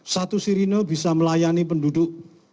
satu sirine bisa melayani penduduk